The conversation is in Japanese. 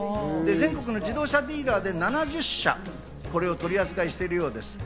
全国の自動車ディーラーで７０社、これを取り扱いしているようです。